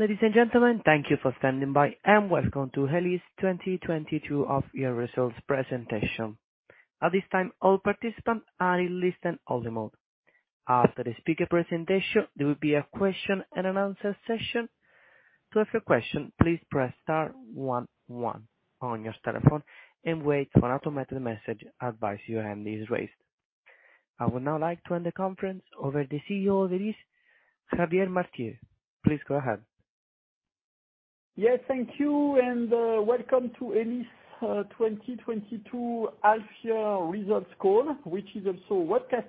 Ladies and gentlemen, thank you for standing by, and welcome to Elis 2022 half year results presentation. At this time all participants are in listen-only mode. After the speaker presentation, there will be a question and an answer session. To ask a question, please press star one one on your telephone and wait for an automated message advising you that your hand is raised. I would now like to hand the conference over to CEO Elis, Xavier Martiré. Please go ahead. Yes, thank you, and welcome to Elis 2022 half year results call, which is also broadcast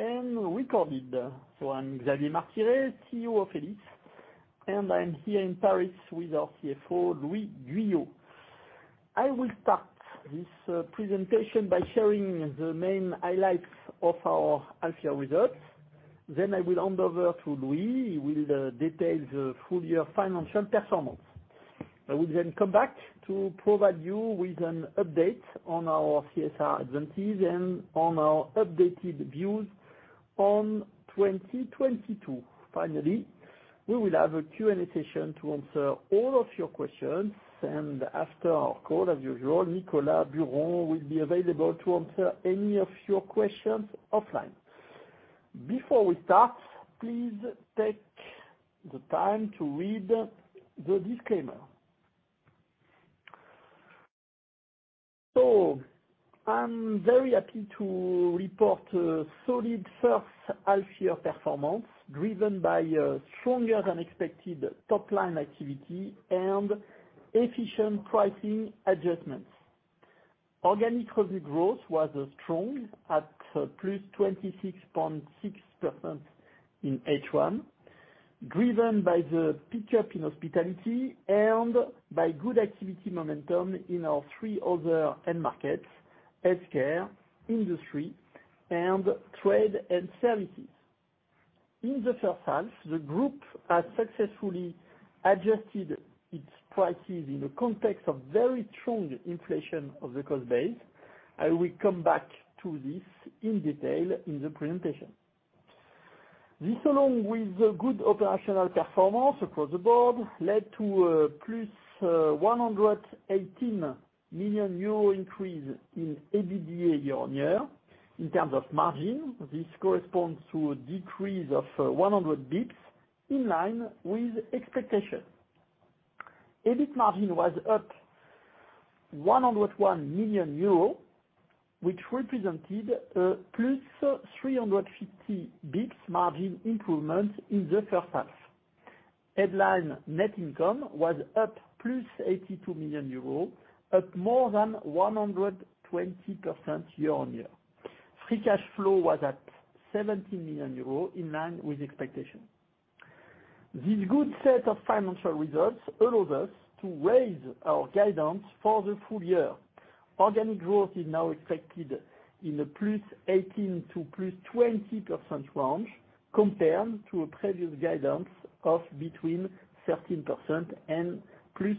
and recorded. I'm Xavier Martiré, CEO of Elis, and I'm here in Paris with our CFO, Louis Guyot. I will start this presentation by sharing the main highlights of our half year results. I will hand over to Louis. He will detail the full year financial performance. I will then come back to provide you with an update on our CSR advances and on our updated views on 2022. Finally, we will have a Q&A session to answer all of your questions. After our call, as usual, Nicolas Buron will be available to answer any of your questions offline. Before we start, please take the time to read the disclaimer. I'm very happy to report a solid first half year performance, driven by a stronger than expected top line activity and efficient pricing adjustments. Organic revenue growth was strong at +26.6% in H1, driven by the pickup in hospitality and by good activity momentum in our three other end markets, healthcare, industry, and trade and services. In the first half, the group has successfully adjusted its prices in a context of very strong inflation of the cost base. I will come back to this in detail in the presentation. This, along with the good operational performance across the board, led to a +118 million euro increase in EBITDA year-on-year. In terms of margin, this corresponds to a decrease of 100 basis points, in line with expectation. EBIT margin was up 101 million euros, which represented a +350 basis points margin improvement in the first half. Headline net income was up +82 million euros, up more than 120% year-on-year. Free cash flow was at 70 million euros, in line with expectation. This good set of financial results allows us to raise our guidance for the full year. Organic growth is now expected in the +18% to +20% range, compared to a previous guidance of between 13% and +15%.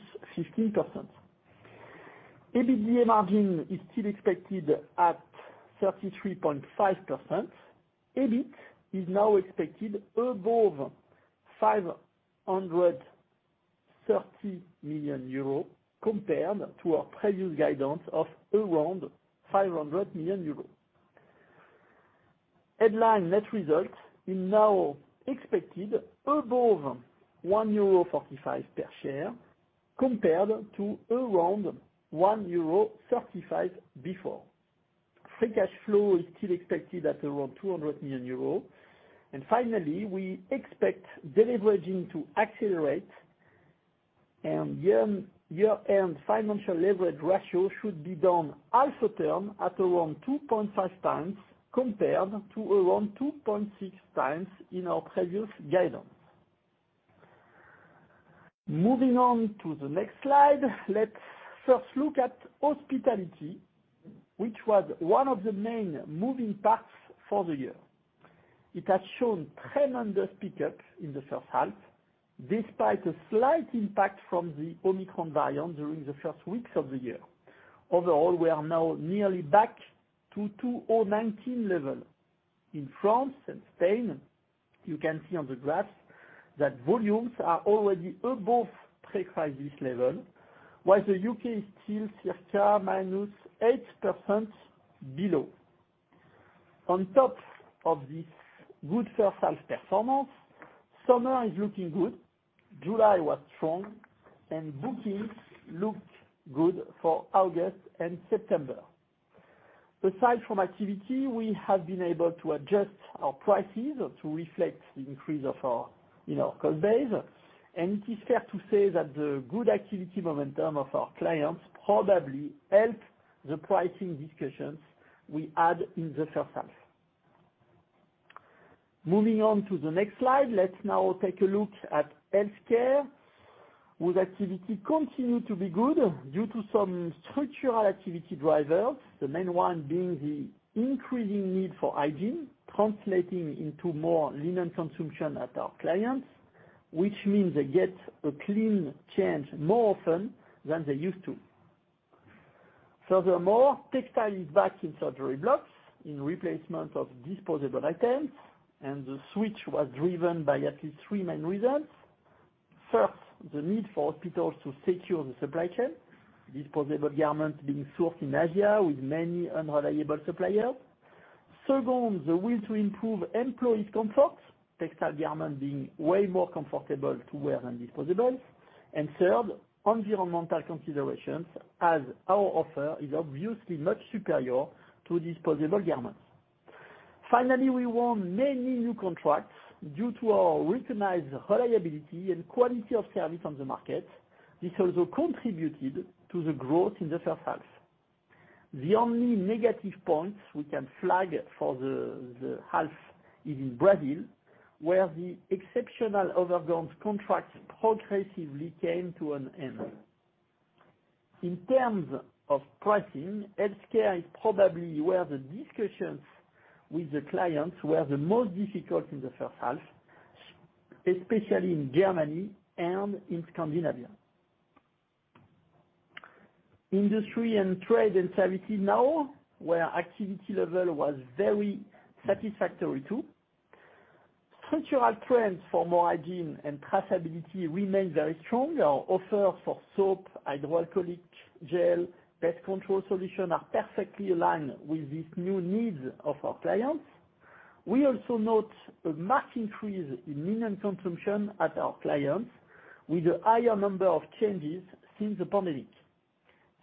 EBITDA margin is still expected at 33.5%. EBIT is now expected above 530 million euro, compared to our previous guidance of around 500 million euro. Headline net result is now expected above 1.45 euro per share, compared to around 1.35 euro before. Free cash flow is still expected at around 200 million euros. Finally, we expect deleveraging to accelerate, and year-end financial leverage ratio should be down also to term at around 2.5 times, compared to around 2.6 times in our previous guidance. Moving on to the next slide, let's first look at hospitality, which was one of the main moving parts for the year. It has shown tremendous pickup in the first half, despite a slight impact from the Omicron variant during the first weeks of the year. Overall, we are now nearly back to 2019 level. In France and Spain, you can see on the graph that volumes are already above pre-crisis level, while the UK is still circa -8% below. On top of this good first half performance, summer is looking good, July was strong, and bookings looked good for August and September. Aside from activity, we have been able to adjust our prices to reflect the increase in our cost base. It is fair to say that the good activity momentum of our clients probably helped the pricing discussions we had in the first half. Moving on to the next slide. Let's now take a look at healthcare. With activity continue to be good due to some structural activity drivers, the main one being the increasing need for hygiene, translating into more linen consumption at our clients, which means they get a clean change more often than they used to. Furthermore, textile is back in surgery blocks in replacement of disposable items, and the switch was driven by at least three main reasons. First, the need for hospitals to secure the supply chain, disposable garments being sourced in Asia with many unreliable suppliers. Second, the will to improve employees' comfort, textile garment being way more comfortable to wear than disposables. Third, environmental considerations, as our offer is obviously much superior to disposable garments. Finally, we won many new contracts due to our recognized reliability and quality of service on the market. This also contributed to the growth in the first half. The only negative points we can flag for the half is in Brazil, where the exceptional overgowns contracts progressively came to an end. In terms of pricing, healthcare is probably where the discussions with the clients were the most difficult in the first half, especially in Germany and in Scandinavia. Industry and trade and services now, where activity level was very satisfactory, too. Structural trends for more hygiene and traceability remain very strong. Our offer for soap, hydroalcoholic gel, pest control solution are perfectly aligned with these new needs of our clients. We also note a marked increase in linen consumption at our clients, with a higher number of changes since the pandemic.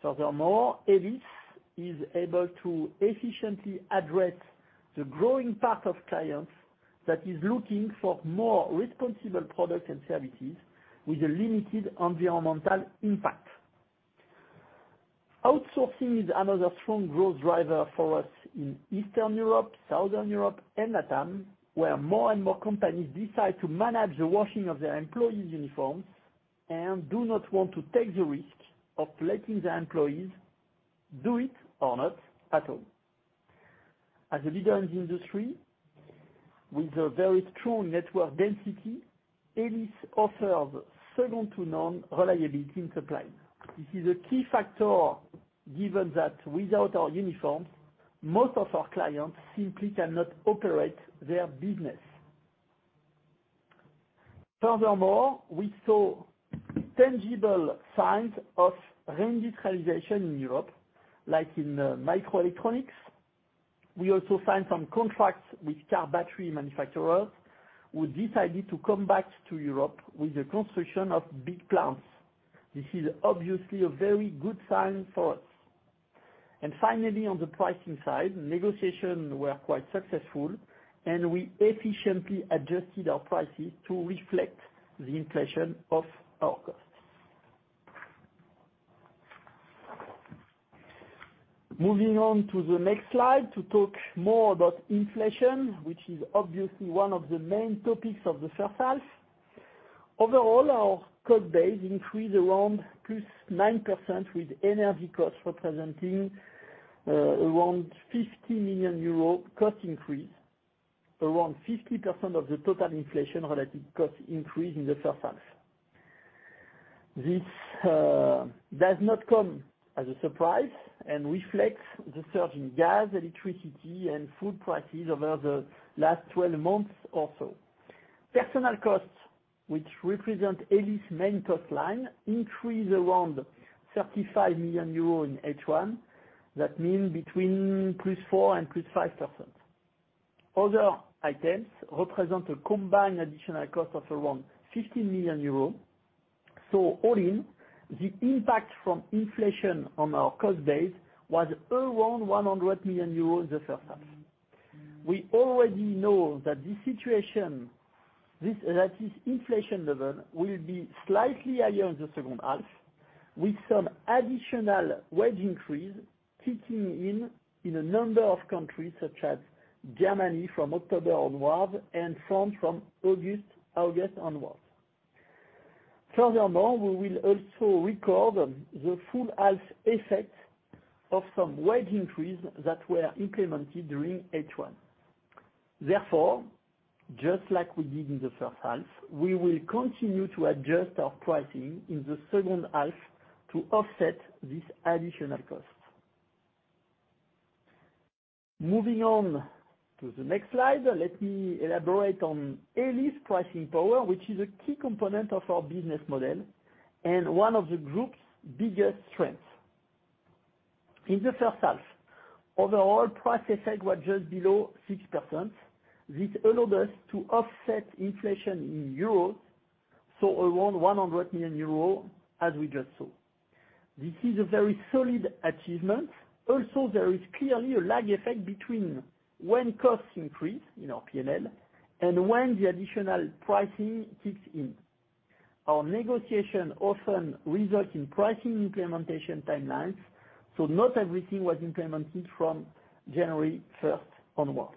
Furthermore, Elis is able to efficiently address the growing part of clients that is looking for more responsible products and services with a limited environmental impact. Outsourcing is another strong growth driver for us in Eastern Europe, Southern Europe, and LATAM, where more and more companies decide to manage the washing of their employees' uniforms and do not want to take the risk of letting their employees do it or not at all. As a leader in the industry with a very strong network density, Elis offers second to none reliability in supply. This is a key factor, given that without our uniforms, most of our clients simply cannot operate their business. Furthermore, we saw tangible signs of reindustrialization in Europe, like in microelectronics. We also signed some contracts with car battery manufacturers who decided to come back to Europe with the construction of big plants. This is obviously a very good sign for us. Finally, on the pricing side, negotiations were quite successful, and we efficiently adjusted our prices to reflect the inflation of our costs. Moving on to the next slide to talk more about inflation, which is obviously one of the main topics of the first half. Overall, our cost base increased around +9%, with energy costs representing around 50 million euro cost increase, around 50% of the total inflation-related cost increase in the first half. This does not come as a surprise and reflects the surge in gas, electricity, and food prices over the last 12 months or so. Personnel costs, which represent Elis' main cost line, increased around 35 million euros in H1. That means between +4% and +5%. Other items represent a combined additional cost of around 15 million euros. All in, the impact from inflation on our cost base was around 100 million euros in the first half. We already know that this situation, this latest inflation level, will be slightly higher in the second half, with some additional wage increase kicking in in a number of countries, such as Germany from October onwards and France from August onwards. Furthermore, we will also record the full half effects of some wage increase that were implemented during H1. Therefore, just like we did in the first half, we will continue to adjust our pricing in the second half to offset these additional costs. Moving on to the next slide, let me elaborate on Elis' pricing power, which is a key component of our business model and one of the group's biggest strengths. In the first half, overall price effect was just below 6%. This allowed us to offset inflation in euros, so around 100 million euros, as we just saw. This is a very solid achievement. Also, there is clearly a lag effect between when costs increase in our P&L and when the additional pricing kicks in. Our negotiation often results in pricing implementation timelines, so not everything was implemented from January first onwards.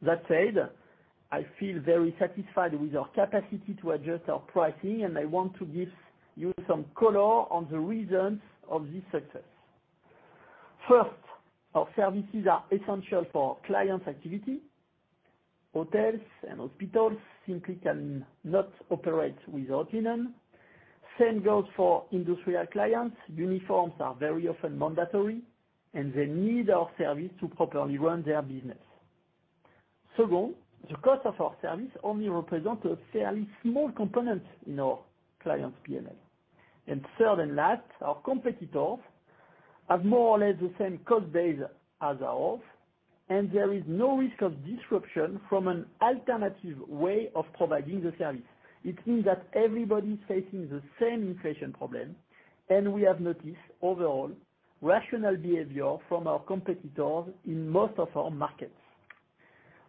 That said, I feel very satisfied with our capacity to adjust our pricing, and I want to give you some color on the reasons of this success. First, our services are essential for clients' activity. Hotels and hospitals simply cannot operate without linen. Same goes for industrial clients. Uniforms are very often mandatory, and they need our service to properly run their business. Second, the cost of our service only represents a fairly small component in our client's P&L. Third and last, our competitors have more or less the same cost base as ours, and there is no risk of disruption from an alternative way of providing the service. It means that everybody is facing the same inflation problem, and we have noticed overall rational behavior from our competitors in most of our markets.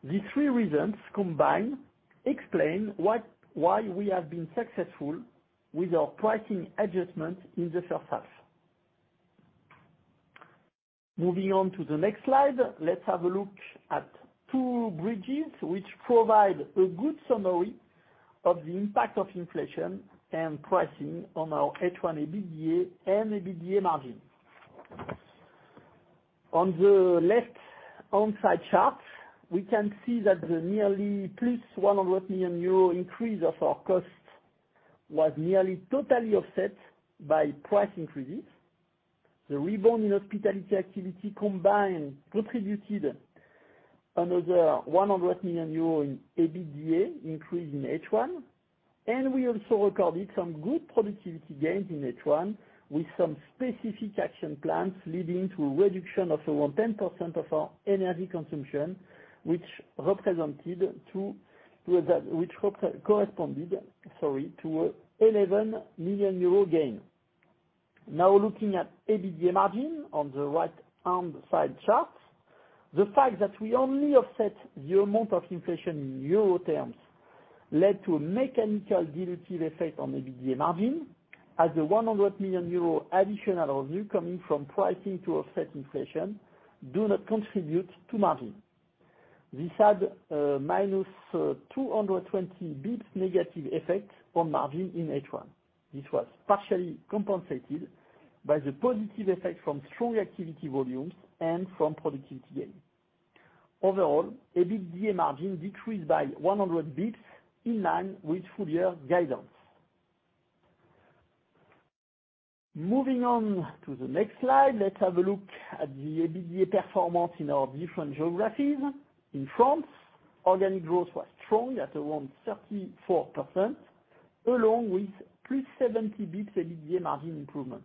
The three reasons combined explain why we have been successful with our pricing adjustments in the first half. Moving on to the next slide, let's have a look at two bridges, which provide a good summary of the impact of inflation and pricing on our H1 EBITDA and EBITDA margin. On the left-hand side chart, we can see that the nearly plus 100 million euro increase of our costs was nearly totally offset by price increases. The rebound in hospitality activity combined contributed another 100 million euro in EBITDA increase in H1. We also recorded some good productivity gains in H1, with some specific action plans leading to a reduction of around 10% of our energy consumption, which corresponded to 11 million euro gain. Now looking at EBITDA margin on the right-hand side chart. The fact that we only offset the amount of inflation in euro terms led to a mechanical dilutive effect on EBITDA margin, as the 100 million euro additional revenue coming from pricing to offset inflation do not contribute to margin. This had minus 220 basis points negative effect on margin in H1. This was partially compensated by the positive effect from strong activity volumes and from productivity gain. Overall, EBITDA margin decreased by 100 basis points in line with full-year guidance. Moving on to the next slide, let's have a look at the EBITDA performance in our different geographies. In France, organic growth was strong at around 34%, along with plus 70 basis points EBITDA margin improvement,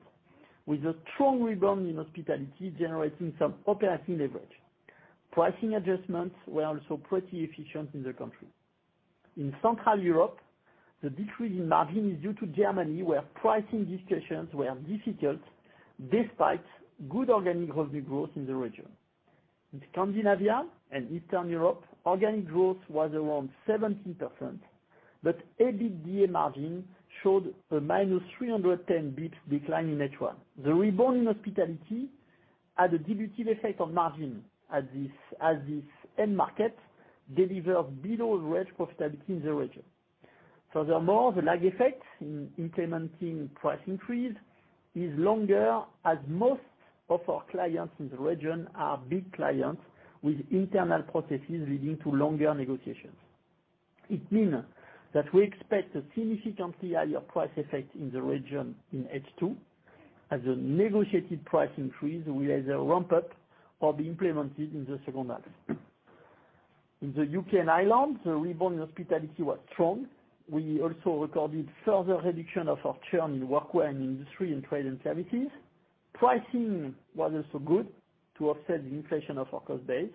with a strong rebound in hospitality generating some operating leverage. Pricing adjustments were also pretty efficient in the country. In Central Europe, the decrease in margin is due to Germany, where pricing discussions were difficult despite good organic revenue growth in the region. In Scandinavia and Eastern Europe, organic growth was around 17%, but EBITDA margin showed a minus 310 basis points decline in H1. The rebound in hospitality had a dilutive effect on margin as this end market delivered below-average profitability in the region. Furthermore, the lag effect in implementing price increase is longer, as most of our clients in the region are big clients with internal processes leading to longer negotiations. It mean that we expect a significantly higher price effect in the region in H2, as the negotiated price increase will either ramp up or be implemented in the second half. In the UK and Ireland, the rebound in hospitality was strong. We also recorded further reduction of our churn in workwear and industry and trade and services. Pricing was also good to offset the inflation of our cost base.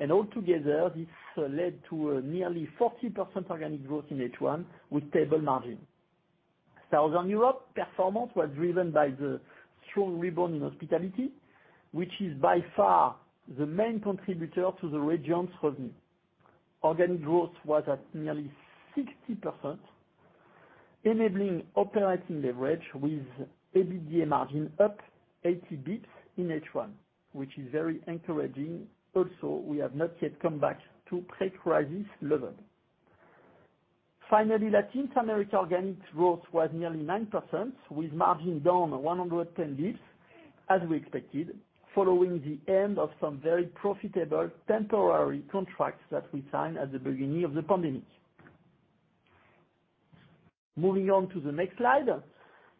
Altogether, this led to a nearly 40% organic growth in H1 with stable margin. Southern Europe performance was driven by the strong rebound in hospitality, which is by far the main contributor to the region's revenue. Organic growth was at nearly 60%, enabling operating leverage with EBITDA margin up 80 basis points in H1, which is very encouraging. Also, we have not yet come back to pre-crisis level. Finally, Latin America organic growth was nearly 9% with margin down 110 basis points as we expected, following the end of some very profitable temporary contracts that we signed at the beginning of the pandemic. Moving on to the next slide.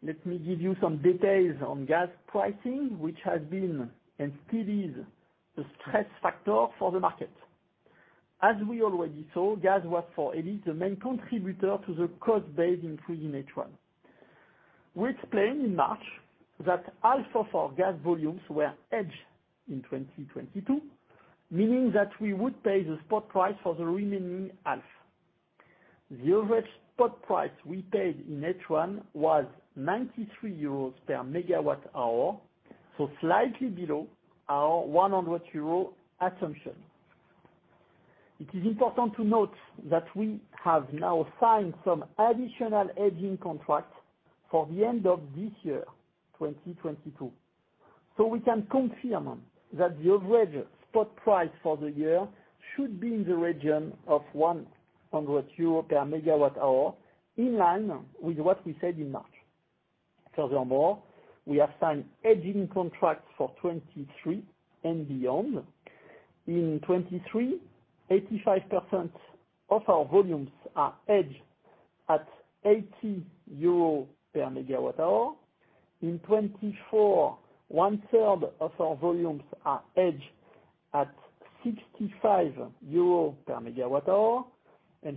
Let me give you some details on gas pricing, which has been and still is a stress factor for the market. As we already saw, gas was for Elis the main contributor to the cost base increase in H1. We explained in March that half of our gas volumes were hedged in 2022, meaning that we would pay the spot price for the remaining half. The average spot price we paid in H1 was 93 euros per megawatt hour, so slightly below our 100 euro assumption. It is important to note that we have now signed some additional hedging contracts for the end of this year, 2022. We can confirm that the average spot price for the year should be in the region of 100 euro per MWh, in line with what we said in March. Furthermore, we have signed hedging contracts for 2023 and beyond. In 2023, 85% of our volumes are hedged at EUR 80 per MWh. In 2024, one-third of our volumes are hedged at 65 euro per MWh.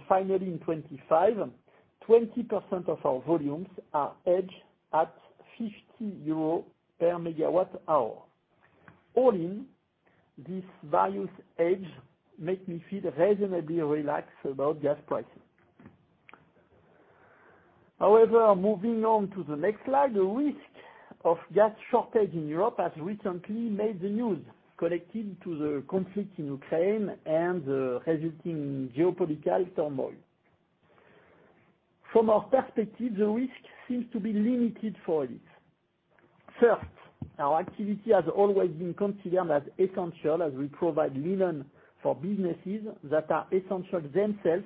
Finally, in 2025, 20% of our volumes are hedged at 50 euro per MWh. All in, these various hedges make me feel reasonably relaxed about gas pricing. However, moving on to the next slide, the risk of gas shortage in Europe has recently made the news connected to the conflict in Ukraine and the resulting geopolitical turmoil. From our perspective, the risk seems to be limited for this. First, our activity has always been considered as essential as we provide linen for businesses that are essential themselves,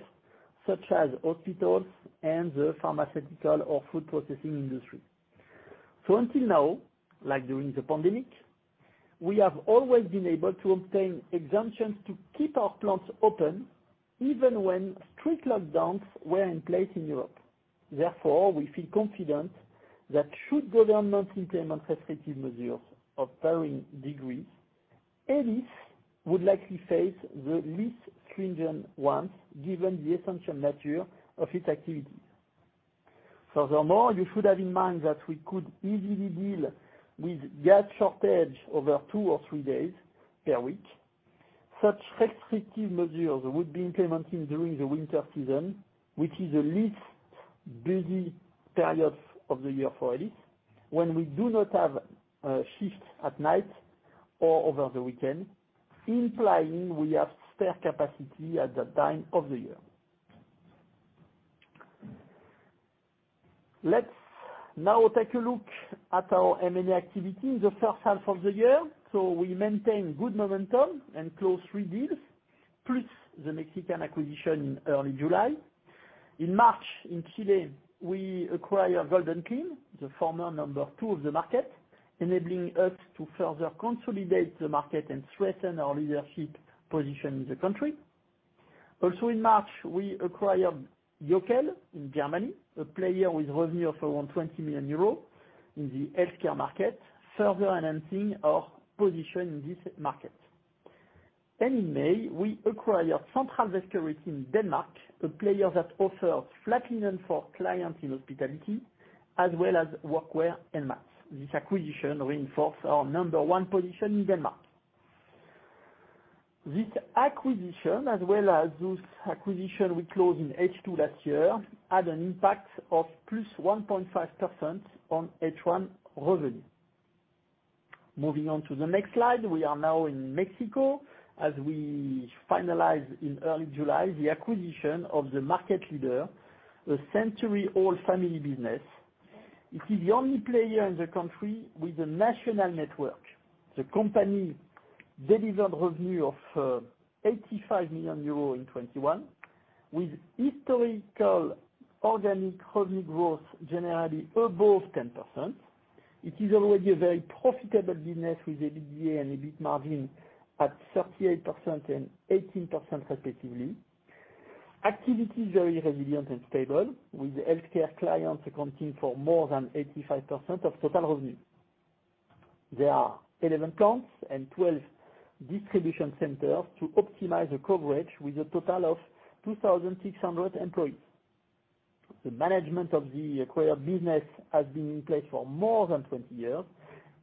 such as hospitals and the pharmaceutical or food processing industry. Until now, like during the pandemic, we have always been able to obtain exemptions to keep our plants open, even when strict lockdowns were in place in Europe. Therefore, we feel confident that should governments implement restrictive measures of varying degrees, Elis would likely face the least stringent ones, given the essential nature of its activities. Furthermore, you should have in mind that we could easily deal with gas shortage over two or three days per week. Such restrictive measures would be implemented during the winter season, which is the least busy period of the year for Elis, when we do not have shifts at night or over the weekend, implying we have spare capacity at that time of the year. Let's now take a look at our M&A activity in the first half of the year. We maintain good momentum and close 3 deals, plus the Mexican acquisition in early July. In March, in Chile, we acquired Golden Clean, the former number two of the market, enabling us to further consolidate the market and strengthen our leadership position in the country. Also in March, we acquired Curatex in Germany, a player with revenue of around 20 million euros in the healthcare market, further enhancing our position in this market. In May, we acquired Centralvaskeriet in Denmark, a player that offers flat linen for clients in hospitality, as well as workwear and mats. This acquisition reinforce our number one position in Denmark. This acquisition, as well as those acquisition we closed in H2 last year, had an impact of +1.5% on H1 revenue. Moving on to the next slide, we are now in Mexico as we finalized in early July the acquisition of the market leader, a century-old family business. It is the only player in the country with a national network. The company delivered revenue of 85 million euros in 2021, with historical organic revenue growth generally above 10%. It is already a very profitable business with EBITDA and EBIT margin at 38% and 18% respectively. Activity is very resilient and stable, with the healthcare clients accounting for more than 85% of total revenue. There are 11 plants and 12 distribution centers to optimize the coverage with a total of 2,600 employees. The management of the acquired business has been in place for more than 20 years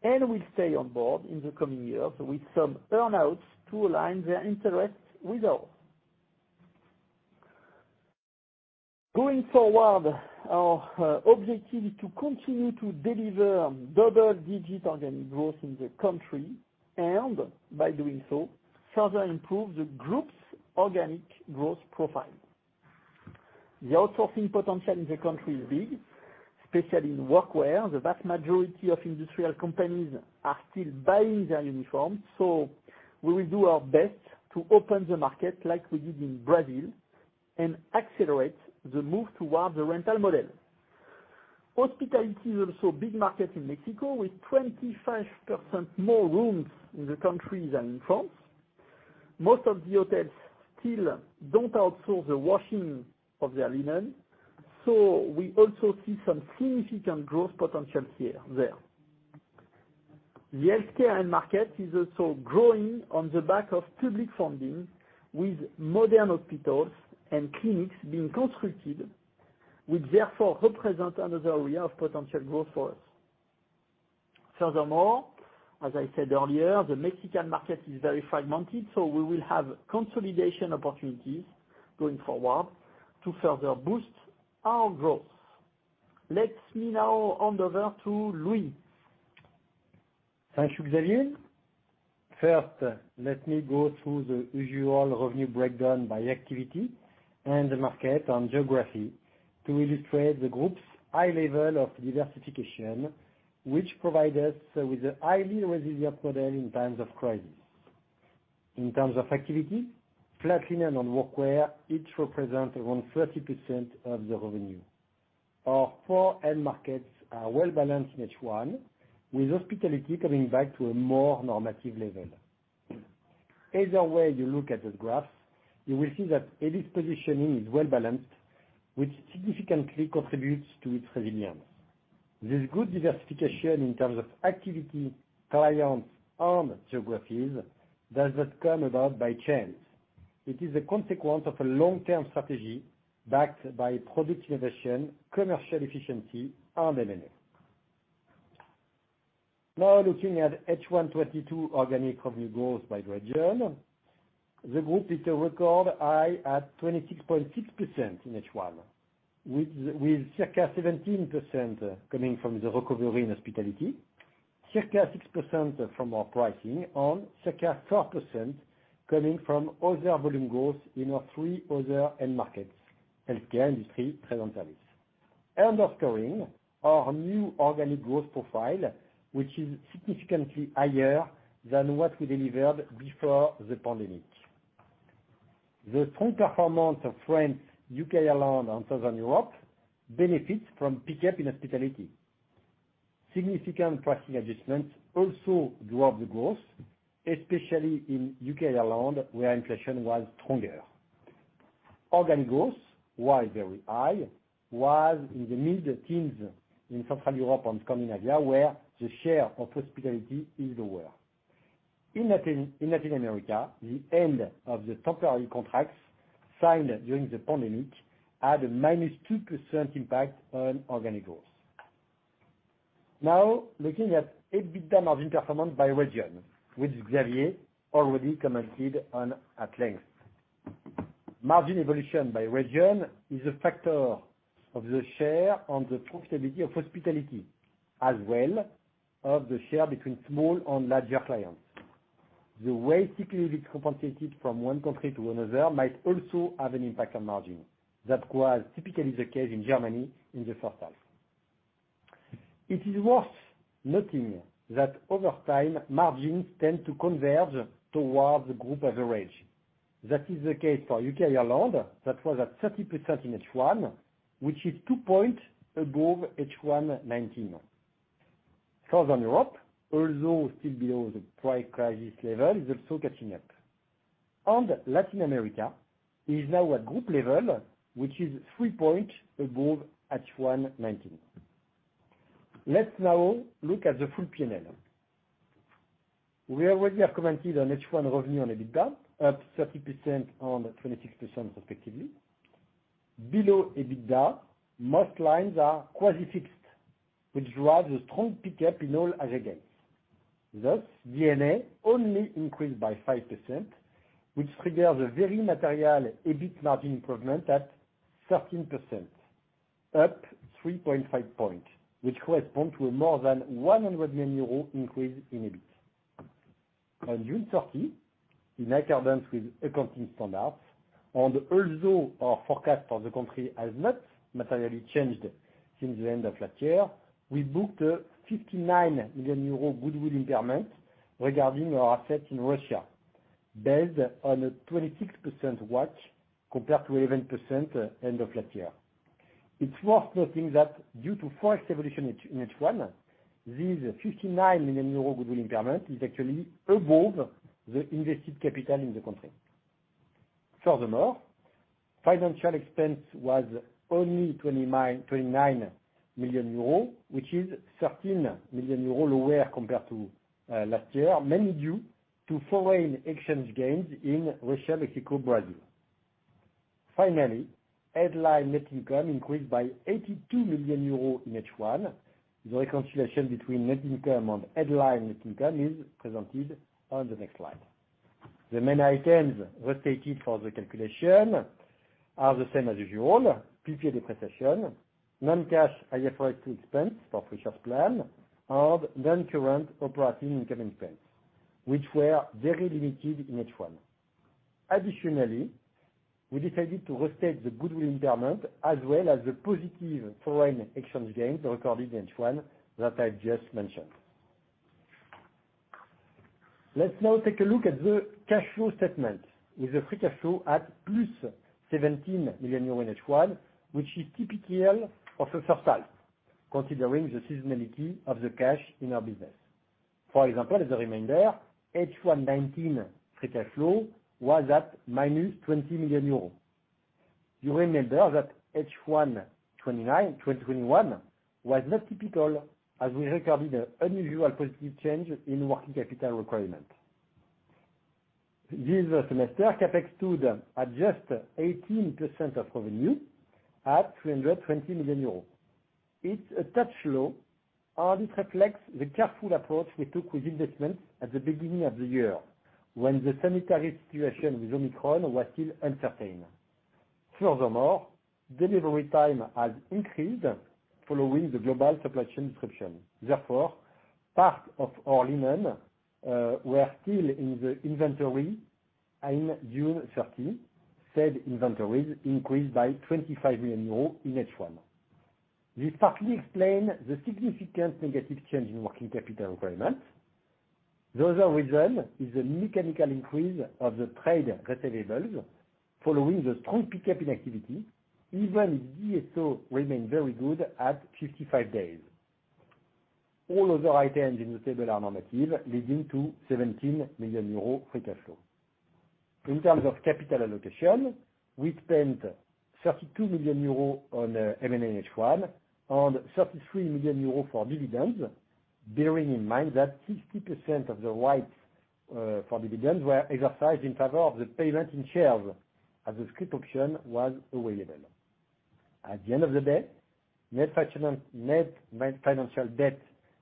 and will stay on board in the coming years with some earnouts to align their interests with ours. Going forward, our objective is to continue to deliver double-digit organic growth in the country and, by doing so, further improve the group's organic growth profile. The outsourcing potential in the country is big, especially in workwear. The vast majority of industrial companies are still buying their uniforms, so we will do our best to open the market like we did in Brazil and accelerate the move towards the rental model. Hospitality is also a big market in Mexico, with 25% more rooms in the country than in France. Most of the hotels still don't outsource the washing of their linen, so we also see some significant growth potential here, there. The healthcare end market is also growing on the back of public funding, with modern hospitals and clinics being constructed, which therefore represent another area of potential growth for us. Furthermore, as I said earlier, the Mexican market is very fragmented, so we will have consolidation opportunities going forward to further boost our growth. Let me now hand over to Louis. Thank you, Xavier. First, let me go through the usual revenue breakdown by activity and by market and geography to illustrate the group's high level of diversification, which provide us with a highly resilient model in times of crisis. In terms of activity, flat linen and workwear each represent around 30% of the revenue. Our four end markets are well-balanced in H1, with hospitality coming back to a more normative level. Either way you look at this graph, you will see that Elis' positioning is well-balanced, which significantly contributes to its resilience. This good diversification in terms of activity, clients, and geographies does not come about by chance. It is a consequence of a long-term strategy backed by product innovation, commercial efficiency, and M&A. Now, looking at H1 2022 organic revenue growth by region, the group hit a record high at 26.6% in H1, with circa 17% coming from the recovery in hospitality, circa 6% from our pricing, and circa 4% coming from other volume growth in our three other end markets, healthcare, industry, trade and services. Underscoring our new organic growth profile, which is significantly higher than what we delivered before the pandemic. The strong performance of France, U.K., Ireland, and Southern Europe benefits from pickup in hospitality. Significant pricing adjustments also drove the growth, especially in U.K., Ireland, where inflation was stronger. Organic growth, while very high, was in the mid-teens in Central Europe and Scandinavia, where the share of hospitality is lower. In Latin America, the end of the temporary contracts signed during the pandemic had a -2% impact on organic growth. Now, looking at EBITDA margin performance by region, which Xavier already commented on at length. Margin evolution by region is a factor of the share and the profitability of hospitality, as well as the share between small and larger clients. The way cyclicality compensated from one country to another might also have an impact on margin. That was typically the case in Germany in the first half. It is worth noting that over time, margins tend to converge towards the group average. That is the case for UK and Ireland, which was at 30% in H1, which is two points above H1 2019. Southern Europe, although still below the pre-crisis level, is also catching up. Latin America is now at group level, which is 3 points above H1 2019. Let's now look at the full P&L. We already have commented on H1 revenue and EBITDA, up 30% and 26% respectively. Below EBITDA, most lines are quasi-fixed, which drives a strong pickup in all aggregates. Thus, D&A only increased by 5%, which triggers a very material EBIT margin improvement at 13%, up 3.5 points, which correspond to a more than 100 million euro increase in EBIT. On June 30, in accordance with accounting standards, and although our forecast for the country has not materially changed since the end of last year, we booked a 59 million euro goodwill impairment regarding our assets in Russia, based on a 26% WACC compared to 11% end of last year. It's worth noting that due to forex evolution in H1, this 59 million euros goodwill impairment is actually above the invested capital in the country. Furthermore, financial expense was only 29 million euros, which is 13 million euros lower compared to last year, mainly due to foreign exchange gains in Russia, Mexico, Brazil. Finally, headline net income increased by 82 million euros in H1. The reconciliation between net income and headline net income is presented on the next slide. The main items restated for the calculation are the same as usual, PPA depreciation, non-cash IFRIC expense for pension plan, and non-current operating income expense, which were very limited in H1. Additionally, we decided to restate the goodwill impairment as well as the positive foreign exchange gains recorded in H1 that I've just mentioned. Let's now take a look at the cash flow statement, with the free cash flow at +17 million euro in H1, which is typical of the first half, considering the seasonality of the cash in our business. For example, as a reminder, H1 2019 free cash flow was at -20 million euros. You remember that H1 2021 was not typical, as we recorded an unusual positive change in working capital requirement. This semester, CapEx stood at just 18% of revenue at 320 million euros. It's a touch low, and it reflects the careful approach we took with investments at the beginning of the year, when the sanitary situation with Omicron was still uncertain. Furthermore, delivery time has increased following the global supply chain disruption. Therefore, part of our linen were still in the inventory in June 30. Inventories increased by 25 million euros in H1. This partly explain the significant negative change in working capital requirements. The other reason is the mechanical increase of the trade receivables following the strong pickup in activity, even if DSO remained very good at 55 days. All other items in the table are normative, leading to 17 million euros free cash flow. In terms of capital allocation, we spent 32 million euros on M&A in H1 and 33 million euros for dividends, bearing in mind that 60% of the rights for dividends were exercised in favor of the payment in shares, as the scrip option was available. At the end of the day, net financial debt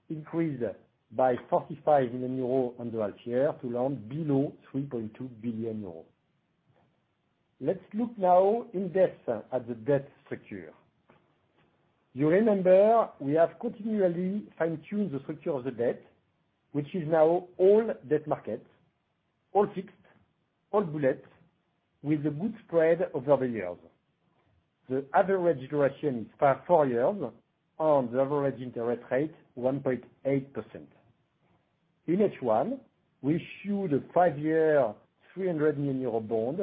increased by 45 million euros on the half year to land below 3.2 billion euros. Let's look now in depth at the debt structure. You remember we have continually fine-tuned the structure of the debt, which is now all debt market, all fixed, all bullets, with a good spread over the years. The average duration is five full years, and the average interest rate 1.8%. In H1, we issued a 5-year, 300 million euro bond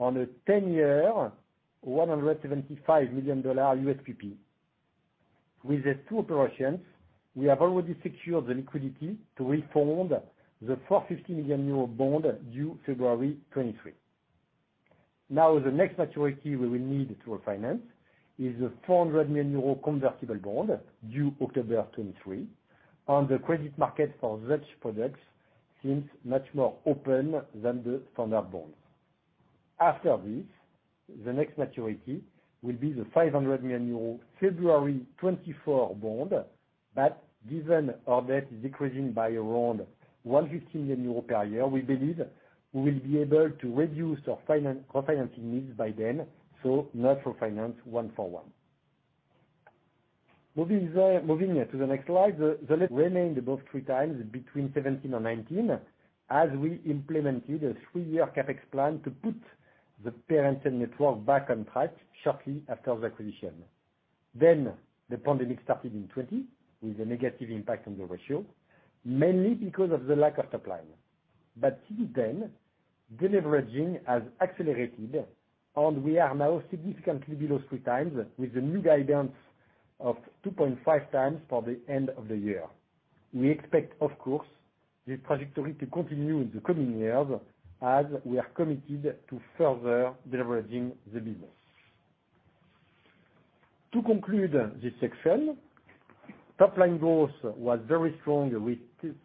and a 10-year, $175 million USPP. With these two operations, we have already secured the liquidity to refund the 450 million euro bond due February 2023. Now, the next maturity we will need to refinance is a 400 million euro convertible bond due October 2023. The credit market for such products seems much more open than the standard bonds. After this, the next maturity will be the 500 million euro February 2024 bond. Given our debt is decreasing by around 150 million euros per year, we believe we will be able to reduce our refinancing needs by then, so not refinance 141. Moving to the next slide. The net remained above 3x between 2017 and 2019 as we implemented a 3-year CapEx plan to put the plant and network back on track shortly after the acquisition. The pandemic started in 2020 with a negative impact on the ratio, mainly because of the lack of top line. Since then, deleveraging has accelerated, and we are now significantly below 3x with a new guidance of 2.5x for the end of the year. We expect, of course, this trajectory to continue in the coming years as we are committed to further deleveraging the business. To conclude this section, top line growth was very strong with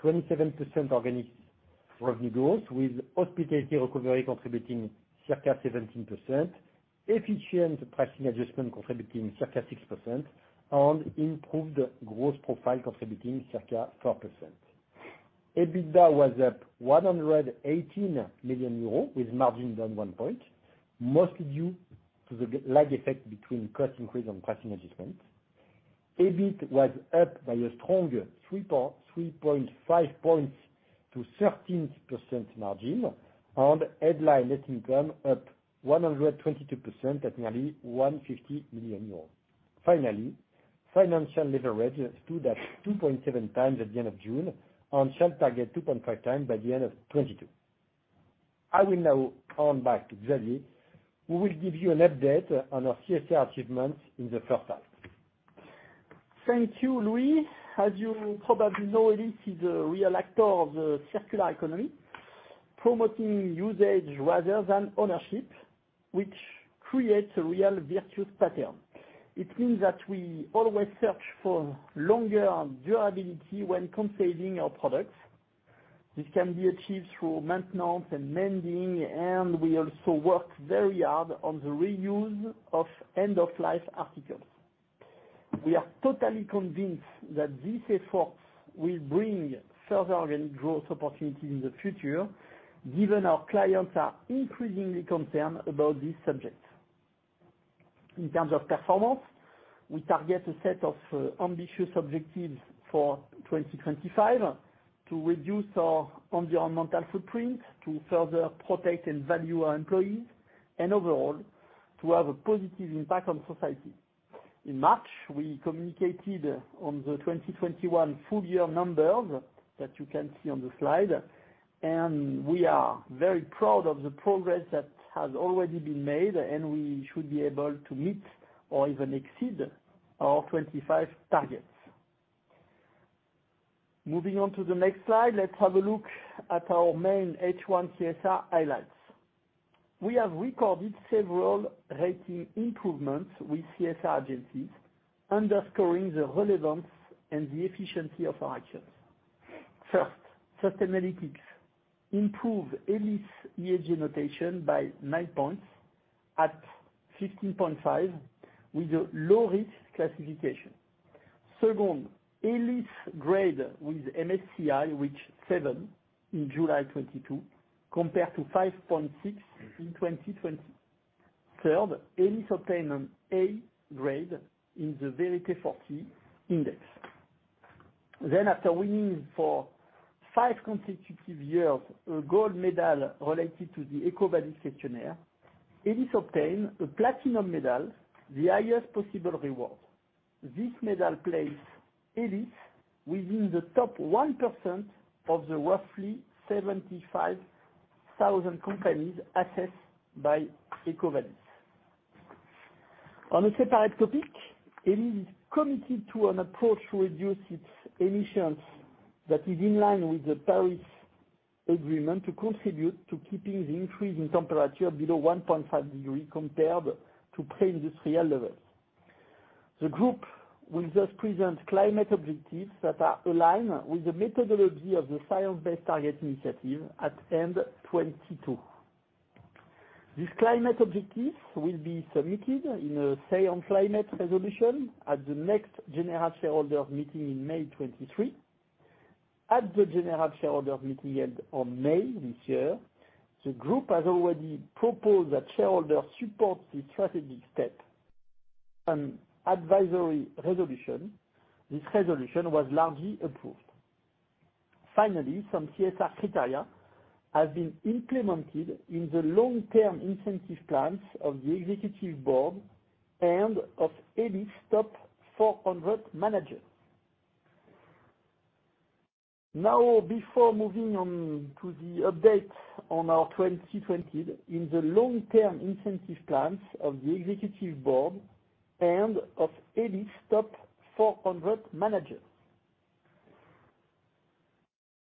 27% organic revenue growth, with hospitality recovery contributing circa 17%, efficient pricing adjustment contributing circa 6%, and improved growth profile contributing circa 4%. EBITDA was up 118 million euros, with margin down 1 point, mostly due to the lag effect between cost increase and pricing adjustment. EBIT was up by a strong 3.5 points to 13% margin, and headline net income up 122% at nearly 150 million euros. Finally, financial leverage stood at 2.7x at the end of June on track to target 2.5x by the end of 2022. I will now hand back to Xavier, who will give you an update on our CSR achievements in the first half. Thank you, Louis. As you probably know, Elis is a real actor of the circular economy, promoting usage rather than ownership, which creates a real virtuous pattern. It means that we always search for longer durability when configuring our products. This can be achieved through maintenance and mending, and we also work very hard on the reuse of end-of-life articles. We are totally convinced that these efforts will bring further organic growth opportunities in the future, given our clients are increasingly concerned about these subjects. In terms of performance, we target a set of ambitious objectives for 2025 to reduce our environmental footprint, to further protect and value our employees, and overall, to have a positive impact on society. In March, we communicated on the 2021 full year numbers that you can see on the slide, and we are very proud of the progress that has already been made, and we should be able to meet or even exceed our 2025 targets. Moving on to the next slide, let's have a look at our main H1 CSR highlights. We have recorded several rating improvements with CSR agencies, underscoring the relevance and the efficiency of our actions. First, Sustainalytics improved Elis ESG notation by nine points at 15.5 with a low risk classification. Second, Elis grade with MSCI reached seven in July 2022, compared to 5.6 in 2020. Third, Elis obtained an A grade in the Vigeo Eiris index. After winning for five consecutive years, a gold medal related to the EcoVadis questionnaire, Elis obtained a platinum medal, the highest possible reward. This medal placed Elis within the top 1% of the roughly 75,000 companies assessed by EcoVadis. On a separate topic, Elis is committed to an approach to reduce its emissions that is in line with the Paris Agreement to contribute to keeping the increase in temperature below 1.5 degrees compared to pre-industrial levels. The group will just present climate objectives that are aligned with the methodology of the Science Based Targets initiative at the end of 2022. These climate objectives will be submitted in a Say on Climate resolution at the next general shareholders meeting in May 2023. At the general shareholders meeting held on May this year, the group has already proposed that shareholders support this strategic step. An advisory resolution, this resolution was largely approved. Finally, some CSR criteria has been implemented in the long-term incentive plans of the executive board and of Elis' top 400 managers.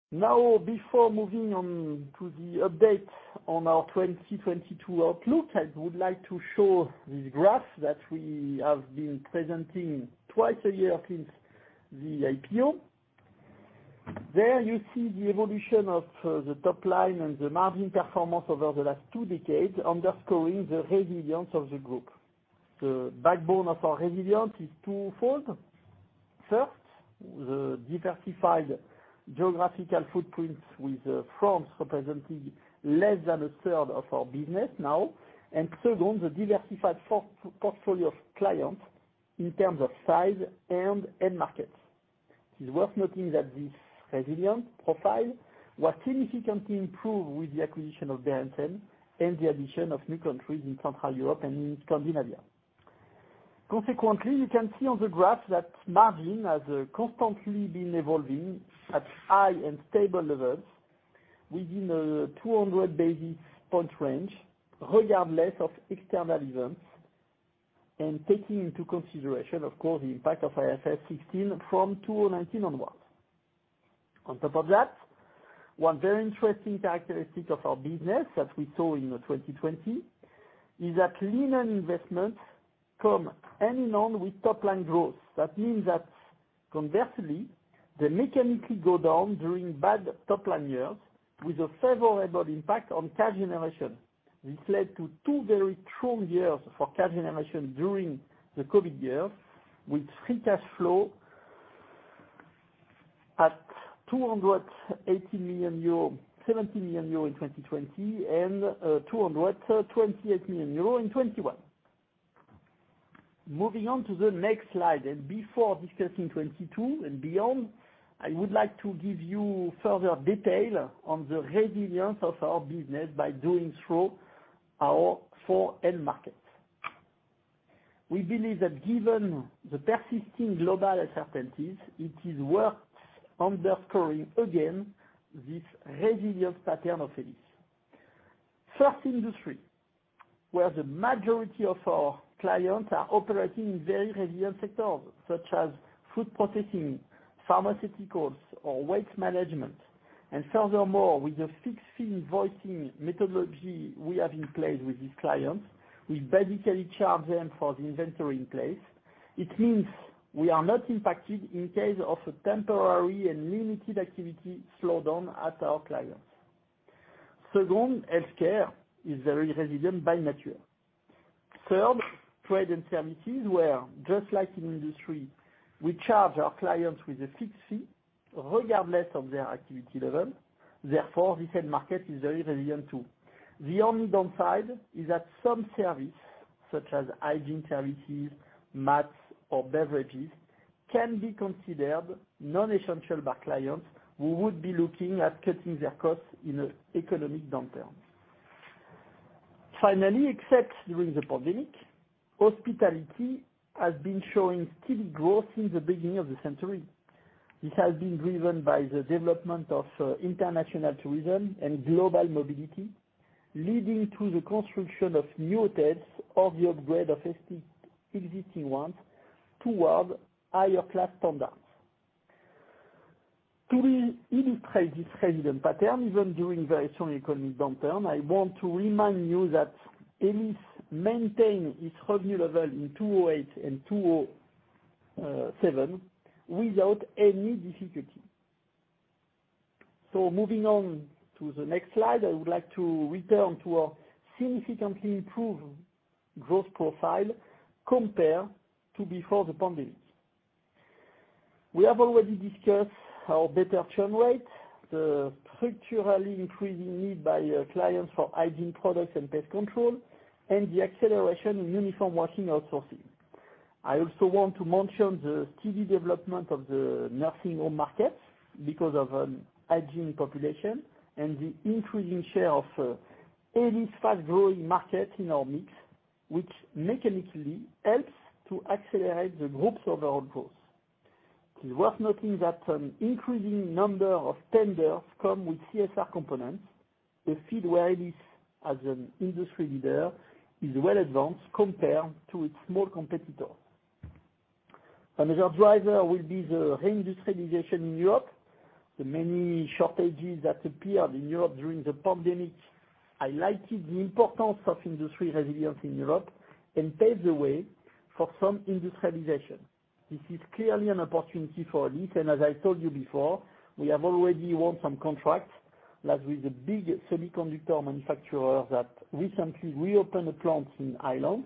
Now, before moving on to the update on our 2022 outlook, I would like to show this graph that we have been presenting twice a year since the IPO. There you see the evolution of the top line and the margin performance over the last two decades, underscoring the resilience of the group. The backbone of our resilience is twofold. First, the diversified geographical footprints with France representing less than a third of our business now. Second, the diversified portfolio of clients in terms of size and end markets. It's worth noting that this resilience profile was significantly improved with the acquisition of Berendsen and the addition of new countries in Central Europe and in Scandinavia. Consequently, you can see on the graph that margin has constantly been evolving at high and stable levels within a 200 basis point range, regardless of external events. Taking into consideration, of course, the impact of IFRS 16 from 2019 onwards. On top of that, one very interesting characteristic of our business that we saw in 2020 is that linen investments come hand in hand with top line growth. That means that conversely, they mechanically go down during bad top line years with a favorable impact on cash generation, which led to two very strong years for cash generation during the COVID years, with free cash flow at 270 million euro in 2020 and 228 million euro in 2021. Moving on to the next slide before discussing 2022 and beyond, I would like to give you further detail on the resilience of our business by going through our four end markets. We believe that given the persisting global uncertainties, it is worth underscoring again this resilience pattern of Elis. First, industry, where the majority of our clients are operating in very resilient sectors such as food processing, pharmaceuticals or waste management. Furthermore, with the fixed fee invoicing methodology we have in place with these clients, we basically charge them for the inventory in place. It means we are not impacted in case of a temporary and limited activity slowdown at our clients. Second, healthcare is very resilient by nature. Third, trade and services, where, just like in industry, we charge our clients with a fixed fee regardless of their activity level. Therefore, this end market is very resilient too. The only downside is that some services, such as hygiene services, mats, or beverages, can be considered non-essential by clients who would be looking at cutting their costs in an economic downturn. Finally, except during the pandemic, hospitality has been showing steady growth since the beginning of the century. This has been driven by the development of international tourism and global mobility, leading to the construction of new hotels or the upgrade of existing ones towards higher class standards. To illustrate this resilient pattern, even during very strong economic downturn, I want to remind you that Elis maintained its revenue level in 2008 and 2007 without any difficulty. Moving on to the next slide, I would like to return to our significantly improved growth profile compared to before the pandemic. We have already discussed our better churn rate. The structurally increasing need by clients for hygiene products and pest control, and the acceleration in uniform washing outsourcing. I also want to mention the steady development of the nursing home markets because of an aging population, and the increasing share of any fast-growing market in our mix, which mechanically helps to accelerate the group's overall growth. It is worth noting that an increasing number of tenders come with CSR components. The field where Elis, as an industry leader, is well-advanced compared to its small competitors. Another driver will be the re-industrialization in Europe. The many shortages that appeared in Europe during the pandemic highlighted the importance of industry resilience in Europe and paved the way for some industrialization. This is clearly an opportunity for Elis, and as I told you before, we have already won some contracts, as with the big semiconductor manufacturer that recently reopened a plant in Ireland.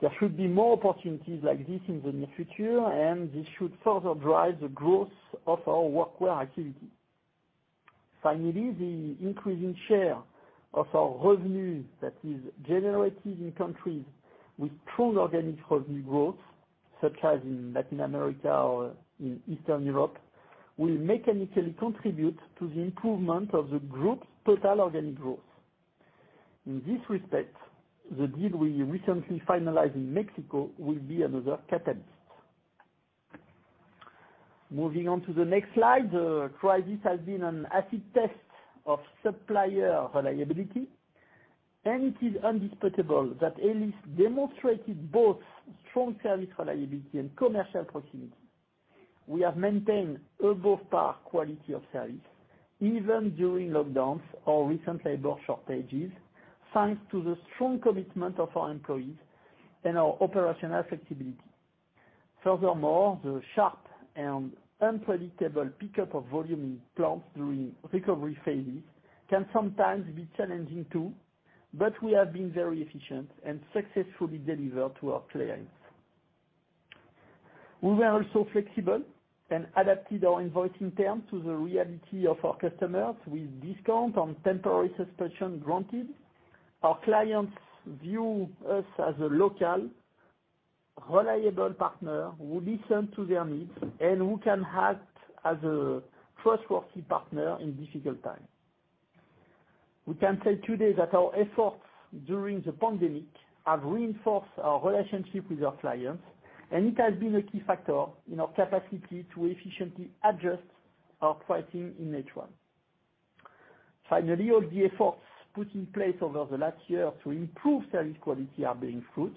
There should be more opportunities like this in the near future, and this should further drive the growth of our workwear activity. Finally, the increasing share of our revenue that is generated in countries with true organic revenue growth, such as in Latin America or in Eastern Europe, will mechanically contribute to the improvement of the group's total organic growth. In this respect, the deal we recently finalized in Mexico will be another catalyst. Moving on to the next slide, the crisis has been an acid test of supplier reliability, and it is indisputable that Elis demonstrated both strong service reliability and commercial proximity. We have maintained above par quality of service even during lockdowns or recent labor shortages, thanks to the strong commitment of our employees and our operational flexibility. Furthermore, the sharp and unpredictable pickup of volume in plants during recovery phases can sometimes be challenging too, but we have been very efficient and successfully delivered to our clients. We were also flexible and adapted our invoicing terms to the reality of our customers with discount on temporary suspension granted. Our clients view us as a local, reliable partner who listen to their needs and who can act as a trustworthy partner in difficult times. We can say today that our efforts during the pandemic have reinforced our relationship with our clients, and it has been a key factor in our capacity to efficiently adjust our pricing in H1. Finally, all the efforts put in place over the last year to improve service quality are bearing fruit,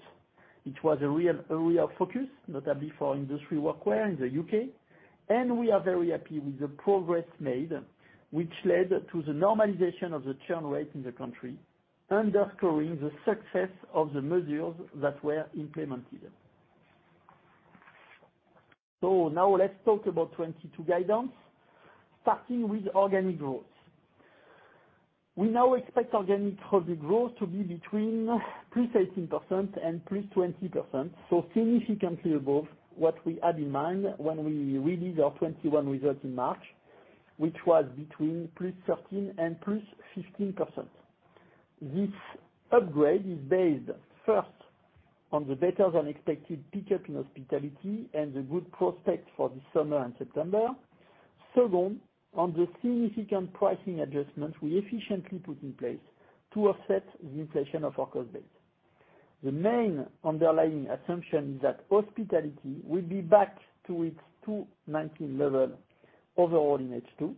which was a real area of focus, notably for industry workwear in the UK, and we are very happy with the progress made, which led to the normalization of the churn rate in the country, underscoring the success of the measures that were implemented. Now let's talk about 2022 guidance, starting with organic growth. We now expect organic revenue growth to be between +18% and +20%, so significantly above what we had in mind when we released our 2021 results in March, which was between +13% and +15%. This upgrade is based, first, on the better-than-expected pickup in hospitality and the good prospect for the summer and September. Second, on the significant pricing adjustments we efficiently put in place to offset the inflation of our cost base. The main underlying assumption is that hospitality will be back to its 2019 level overall in H2.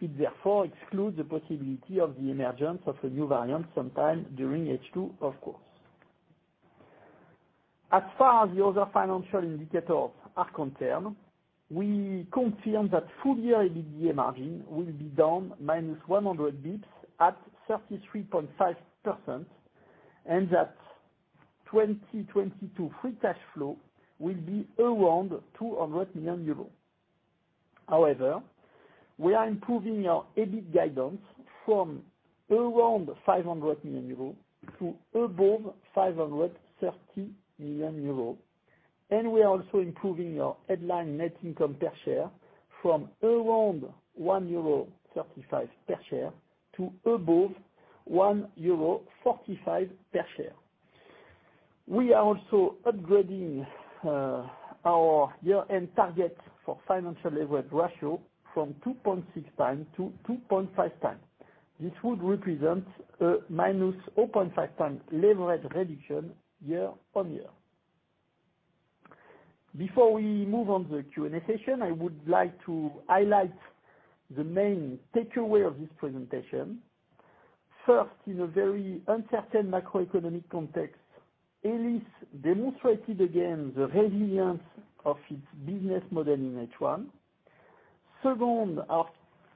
It therefore excludes the possibility of the emergence of a new variant sometime during H2, of course. As far as the other financial indicators are concerned, we confirm that full-year EBITDA margin will be down minus 100 basis points at 33.5%, and that 2022 free cash flow will be around 200 million euros. However, we are improving our EBIT guidance from around 500 million euros to above 530 million euros, and we are also improving our headline net income per share from around 1.35 euro per share to above 1.45 euro per share. We are also upgrading our year-end target for financial leverage ratio from 2.6 times to 2.5 times. This would represent a minus point five times leverage reduction year on year. Before we move on the Q&A session, I would like to highlight the main takeaway of this presentation. First, in a very uncertain macroeconomic context, Elis demonstrated again the resilience of its business model in H1. Second, our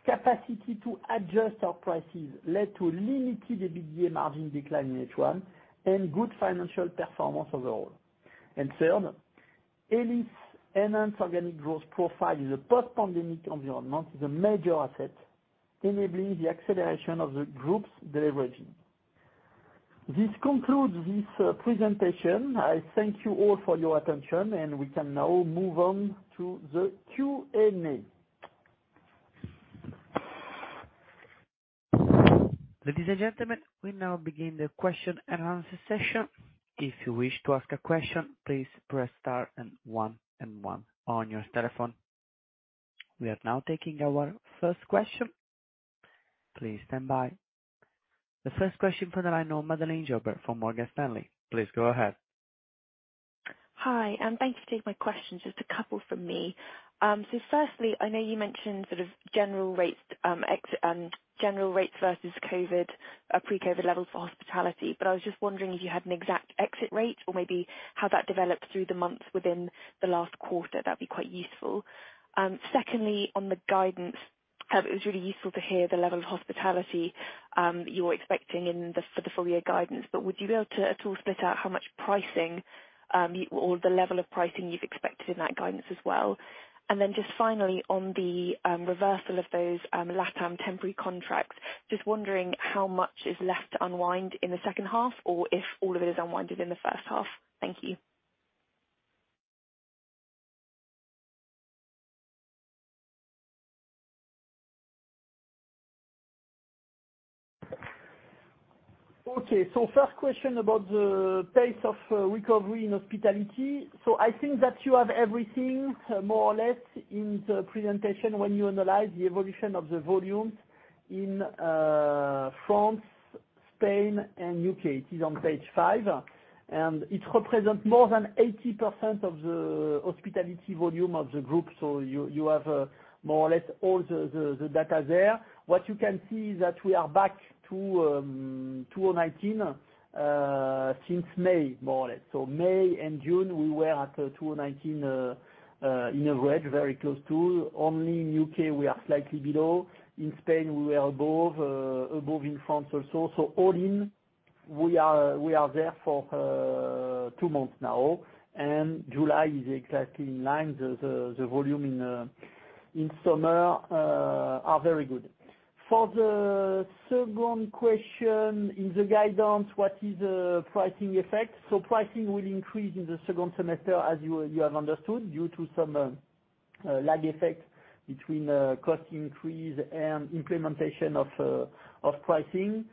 capacity to adjust our prices led to a limited EBITDA margin decline in H1 and good financial performance overall. Third, Elis enhanced organic growth profile in the post-pandemic environment is a major asset, enabling the acceleration of the group's deleveraging. This concludes this presentation. I thank you all for your attention, and we can now move on to the Q&A. Ladies and gentlemen, we now begin the question and answer session. If you wish to ask a question, please press star and one and one on your telephone. We are now taking our first question. Please stand by. The first question from the line, Madeleine Jobber from Morgan Stanley. Please go ahead. Hi, thanks for taking my question. Just a couple from me. Firstly, I know you mentioned sort of general rates versus pre-COVID levels for hospitality, but I was just wondering if you had an exact exit rate or maybe how that developed through the months within the last quarter. That'd be quite useful. Secondly, on the guidance, it was really useful to hear the level of hospitality you're expecting for the full year guidance, but would you be able to at all split out how much pricing or the level of pricing you've expected in that guidance as well? Just finally, on the reversal of those LatAm temporary contracts, just wondering how much is left to unwind in the second half or if all of it is unwinded in the first half. Thank you. Okay. First question about the pace of recovery in hospitality. I think that you have everything more or less in the presentation when you analyze the evolution of the volumes in France, Spain, and U.K. It is on page five. It represents more than 80% of the hospitality volume of the group. You have more or less all the data there. What you can see is that we are back to 2019 on average, very close to. Only in U.K. we are slightly below. In Spain, we are above in France also. All in, we are there for two months now, and July is exactly in line. The volume in summer are very good. For the second question, in the guidance, what is the pricing effect? Pricing will increase in the second semester as you have understood, due to some lag effect between cost increase and implementation of pricing.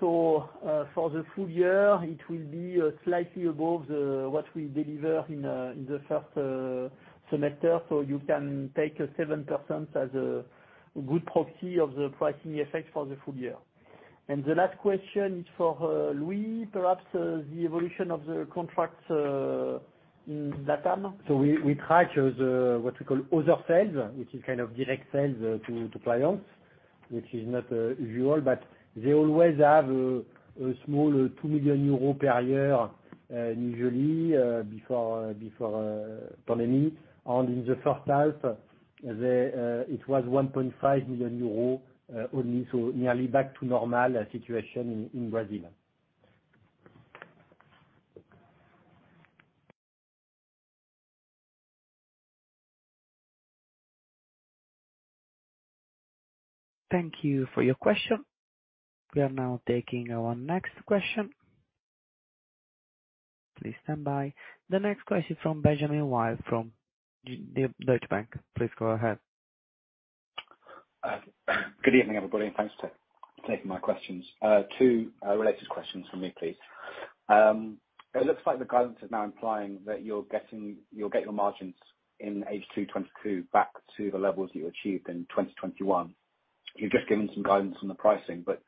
For the full year it will be slightly above the what we deliver in the first semester. You can take a 7% as a good proxy of the pricing effect for the full year. The last question is for Louis. Perhaps the evolution of the contracts in LatAm. We track as what we call other sales, which is kind of direct sales to clients, which is not usual. They always have a small 2 million euro per year, usually, before pandemic. In the first half, it was 1.5 million euros only, so nearly back to normal situation in Brazil. Thank you for your question. We are now taking our next question. Please stand by. The next question from Benjamin Wild from Deutsche Bank. Please go ahead. Good evening, everybody, and thanks for taking my questions. Two related questions from me, please. It looks like the guidance is now implying that you'll get your margins in H2 2022 back to the levels you achieved in 2021. You've just given some guidance on the pricing, but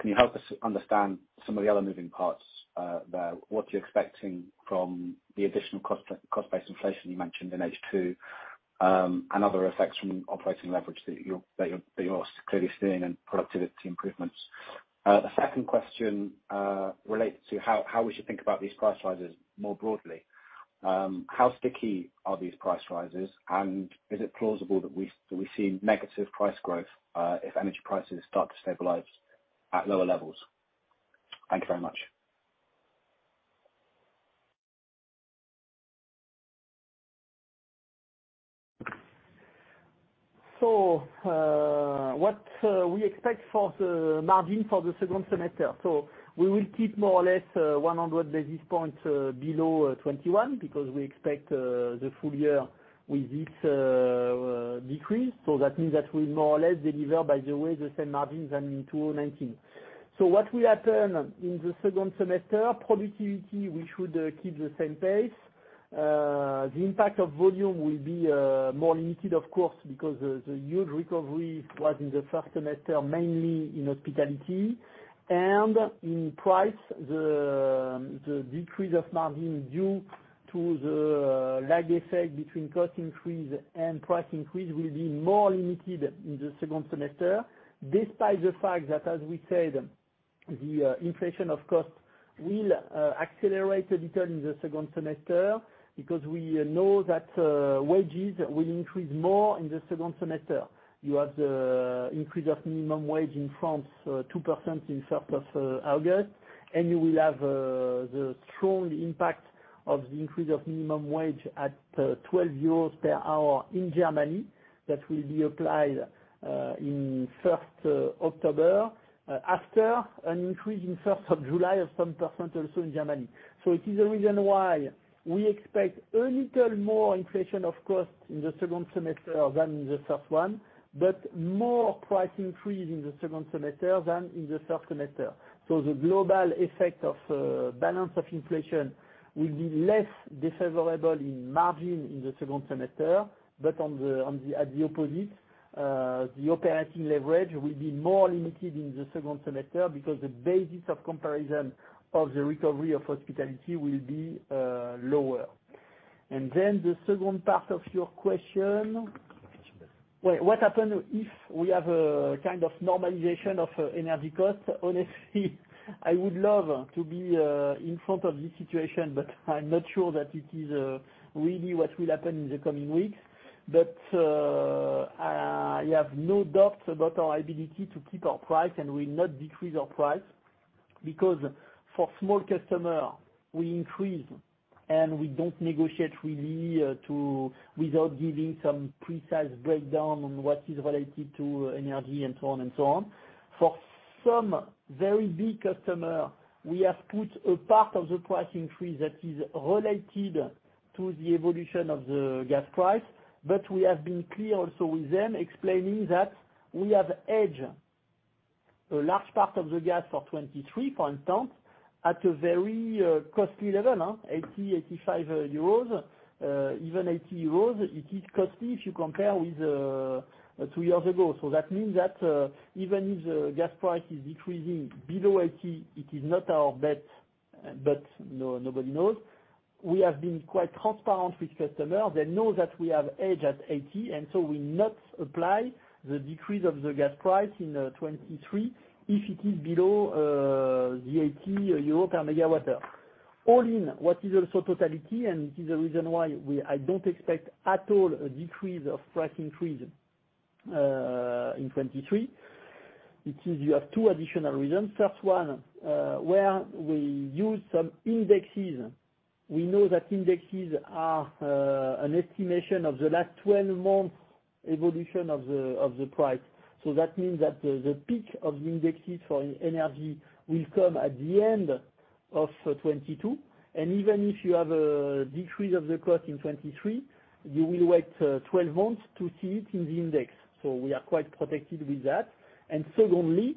can you help us understand some of the other moving parts there? What are you expecting from the additional cost base inflation you mentioned in H2, and other effects from operating leverage that you're clearly seeing in productivity improvements? The second question relates to how we should think about these price rises more broadly. How sticky are these price rises? And is it plausible that we see negative price growth if energy prices start to stabilize at lower levels? Thank you very much. What we expect for the margin for the second semester. We will keep more or less 100 basis points below 21% because we expect the full year with this decrease. That means that we'll more or less deliver, by the way, the same margins than in 2019. What will happen in the second semester? Productivity, we should keep the same pace. The impact of volume will be more limited, of course, because the huge recovery was in the first semester, mainly in hospitality. In price, the decrease of margin due to the lag effect between cost increase and price increase will be more limited in the second semester, despite the fact that, as we said, the inflation of cost will accelerate a little in the second semester because we know that wages will increase more in the second semester. You have the increase of minimum wage in France, 2% in first of August, and you will have the strong impact of the increase of minimum wage at 12 euros per hour in Germany, that will be applied in first October, after an increase in first of July of some percent also in Germany. It is the reason why we expect a little more inflation of cost in the second semester than the first one, but more price increase in the second semester than in the first semester. The global effect of balance of inflation will be less favorable in margin in the second semester, but on the opposite, the operating leverage will be more limited in the second semester because the basis of comparison of the recovery of hospitality will be lower. Then the second part of your question. Wait, what happen if we have a kind of normalization of energy costs? Honestly, I would love to be in front of this situation, but I'm not sure that it is really what will happen in the coming weeks. I have no doubts about our ability to keep our price, and we'll not decrease our price. Because for small customer, we increase, and we don't negotiate really without giving some precise breakdown on what is related to energy and so on. For some very big customer, we have put a part of the price increase that is related to the evolution of the gas price, but we have been clear also with them explaining that we have hedged a large part of the gas for 2023, for instance, at a very costly level, 80, 85 euros, even 80 euros. It is costly if you compare with two years ago. That means that even if the gas price is decreasing below 80, it is not our bet, but no, nobody knows. We have been quite transparent with customers. They know that we have hedged at 80, and so we'll not apply the decrease of the gas price in 2023 if it is below the 80 EUR per megawatt hour. All in all, it is also in totality the reason why we don't expect at all a decrease in price increases in 2023. There are two additional reasons. First one, where we use some indexes. We know that indexes are an estimation of the last 12-month evolution of the price. So that means that the peak of indexes for energy will come at the end of 2022. Even if you have a decrease of the cost in 2023, you will wait 12 months to see it in the index. So we are quite protected with that. Secondly,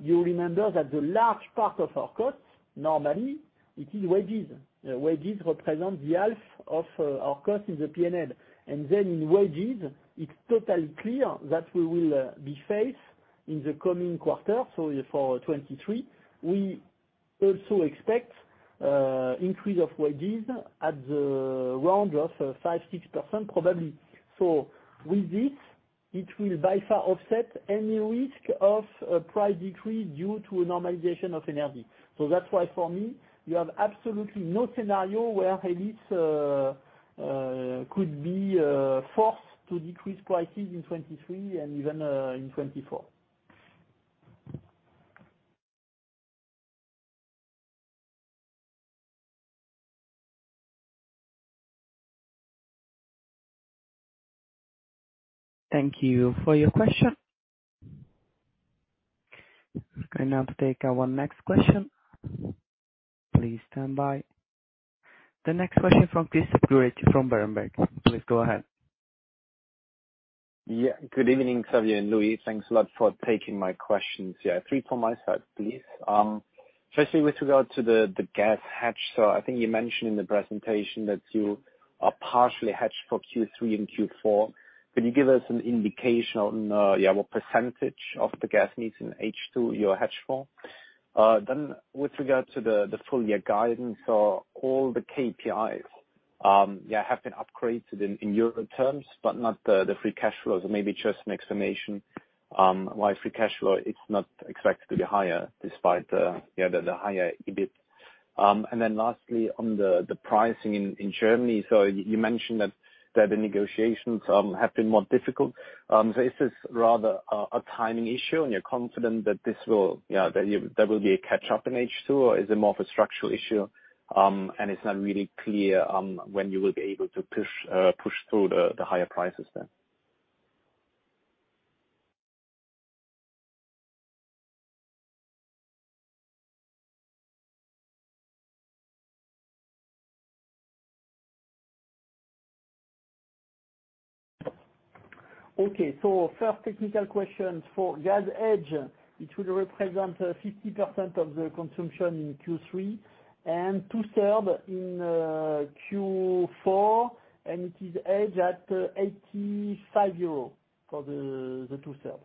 you remember that the large part of our costs, normally it is wages. Wages represent the half of our cost in the P&L. Then in wages, it's totally clear that we will be faced in the coming quarter, so for 2023. We also expect increase of wages at around 5%-6% probably. With this, it will by far offset any risk of a price decrease due to a normalization of energy. That's why for me, you have absolutely no scenario where Elis could be forced to decrease prices in 2023 and even in 2024. Thank you for your question. I'll now take our next question. Please stand by. The next question from Christophe Circolone from Berenberg. Please go ahead. Good evening, Xavier and Louis. Thanks a lot for taking my questions. Three from my side, please. Firstly, with regard to the gas hedge. I think you mentioned in the presentation that you are partially hedged for Q3 and Q4. Could you give us an indication on what percentage of the gas needs in H2 you are hedged for? With regard to the full year guidance or all the KPIs have been upgraded in euro terms, but not the free cash flows. Maybe just an explanation why free cash flow is not expected to be higher despite the higher EBIT. Lastly, on the pricing in Germany. You mentioned that the negotiations have been more difficult. Is this rather a timing issue and you're confident that there will be a catch-up in H2? Is it more of a structural issue, and it's not really clear when you will be able to push through the higher prices then? Okay. First technical question for gas hedge. It will represent 50% of the consumption in Q3 and two-thirds in Q4, and it is hedged at 85 euros for the two-thirds.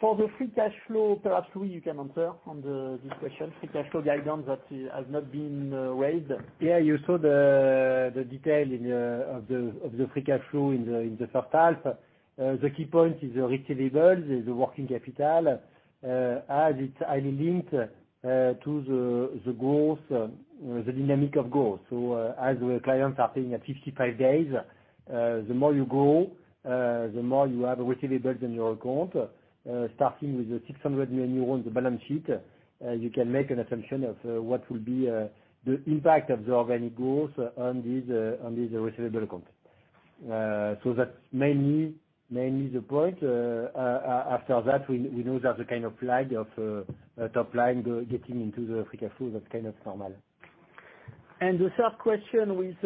For the free cash flow, perhaps Louis you can answer on this question. Free cash flow guidance that has not been raised. Yeah, you saw the detail of the free cash flow in the first half. The key point is the receivables, the working capital, as it's highly linked to the growth, the dynamic of growth. As the clients are paying at 55 days, the more you grow, the more you have receivables in your account. Starting with the 600 million euros on the balance sheet, you can make an assumption of what will be the impact of the organic growth on this receivable account. That's mainly the point. After that we know there's a kind of lag of top line growth getting into the EBITDA flow. That's kind of normal. The third question with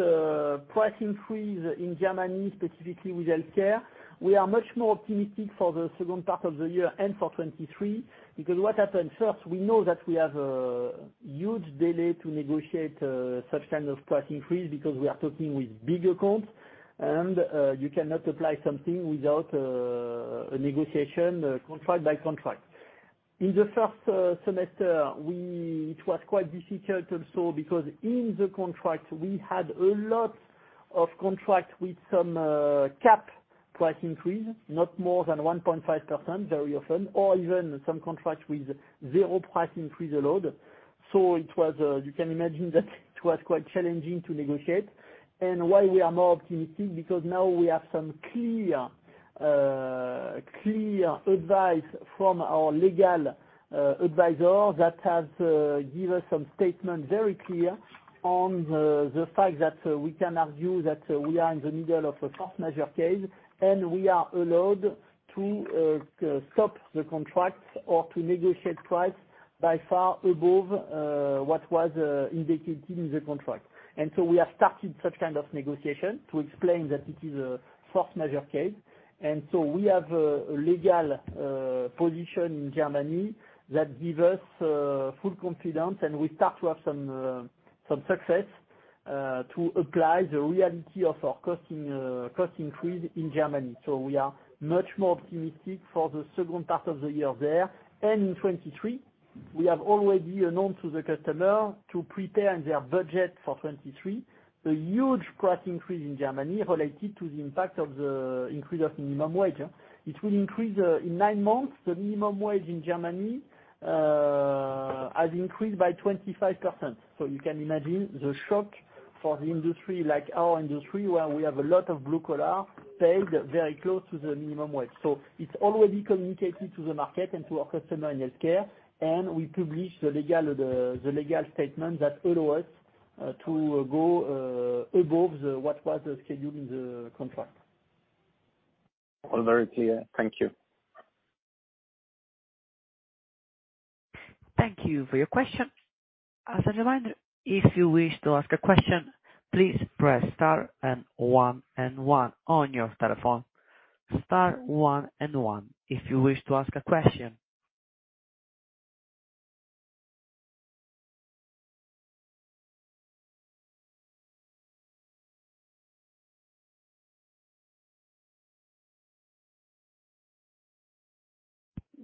price increase in Germany, specifically with healthcare, we are much more optimistic for the second part of the year and for 2023, because what happened, first, we know that we have a huge delay to negotiate such kind of price increase because we are talking with big accounts and you cannot apply something without a negotiation contract by contract. In the first semester, it was quite difficult also because in the contracts we had a lot of contracts with some cap price increase, not more than 1.5% very often, or even some contracts with 0% price increase allowed. It was, you can imagine that it was quite challenging to negotiate. Why we are more optimistic, because now we have some clear advice from our legal advisor that has given some statement very clear on the fact that we can argue that we are in the middle of a force majeure case, and we are allowed to stop the contracts or to negotiate price by far above what was indicated in the contract. We have started such kind of negotiation to explain that it is a force majeure case. We have a legal position in Germany that give us full confidence, and we start to have some success to apply the reality of our costing cost increase in Germany. We are much more optimistic for the second part of the year there. In 2023, we have already announced to the customer to prepare their budget for 2023, a huge price increase in Germany related to the impact of the increase of minimum wage. It will increase in nine months, the minimum wage in Germany has increased by 25%. You can imagine the shock for the industry, like our industry, where we have a lot of blue collar paid very close to the minimum wage. It's already communicated to the market and to our customer in healthcare, and we publish the legal statement that allow us to go above what was scheduled in the contract. All very clear. Thank you. Thank you for your question. As a reminder, if you wish to ask a question, please press star and one and one on your telephone. Star one and one if you wish to ask a question.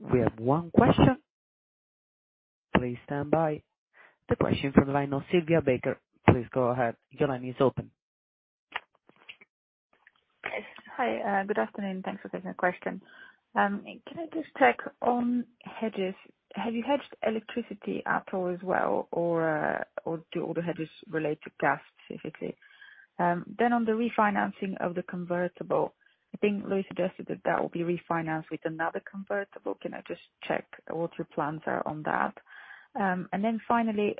We have one question. Please stand by. The question from the line of Sylvia Barker. Please go ahead. Your line is open. Hi. Good afternoon. Thanks for taking the question. Can I just check on hedges? Have you hedged electricity at all as well, or do all the hedges relate to gas specifically? On the refinancing of the convertible, I think Louis suggested that will be refinanced with another convertible. Can I just check what your plans are on that? Finally,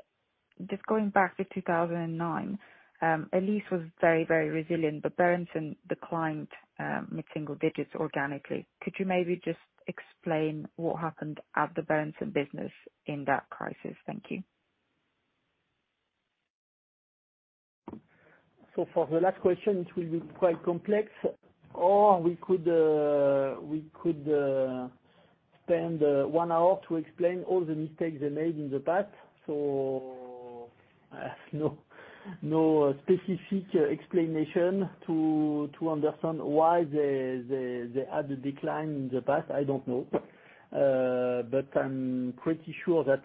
just going back to 2009, Elis was very, very resilient, but Berendsen declined mid-single digits organically. Could you maybe just explain what happened at the Berendsen business in that crisis? Thank you. For the last question it will be quite complex. We could spend 1 hour to explain all the mistakes they made in the past. No specific explanation to understand why they had the decline in the past. I don't know. I'm pretty sure that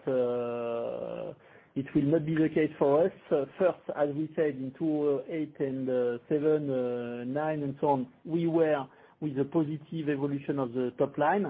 it will not be the case for us. First, as we said in 2, 8 and 7, 9 and so on, we were with the positive evolution of the top line.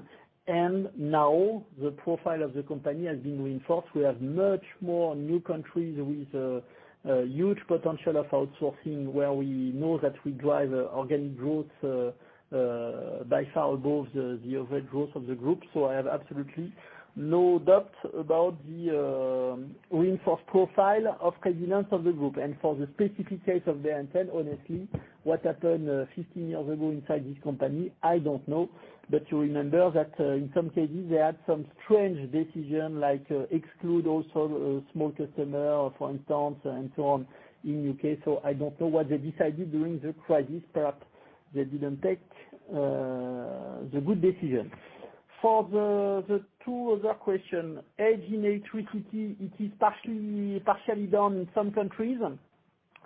Now the profile of the company has been reinforced. We have much more new countries with a huge potential of outsourcing where we know that we drive organic growth by far above the overall growth of the group. I have absolutely no doubt about the reinforced profile of resilience of the group. For the specific case of Berendsen, honestly, what happened 15 years ago inside this company, I don't know. You remember that in some cases, they had some strange decision like exclude also small customer, for instance, and so on in UK. I don't know what they decided during the crisis. Perhaps they didn't take the good decision. For the two other question, hedging electricity, it is partially done in some countries,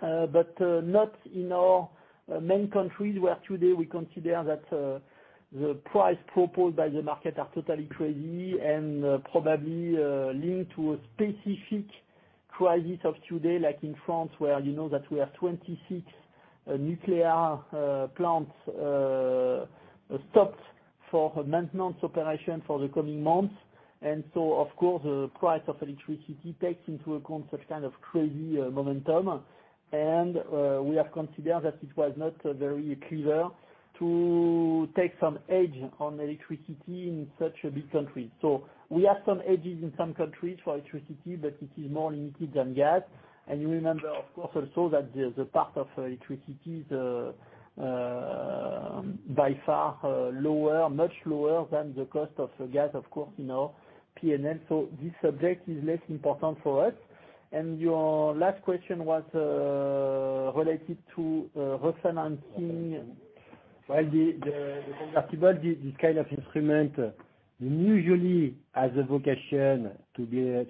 but not in our main countries, where today we consider that the price proposed by the market are totally crazy and probably linked to a specific crisis of today, like in France, where you know that we have 26 nuclear plants stopped for maintenance operation for the coming months. Of course, the price of electricity takes into account such kind of crazy momentum. We have considered that it was not very clever to take some hedge on electricity in such a big country. We have some hedges in some countries for electricity, but it is more limited than gas. You remember of course also that the part of electricity is by far lower, much lower than the cost of gas, of course, in our P&L. This subject is less important for us. Your last question was related to refinancing. The convertible, this kind of instrument usually has a vocation to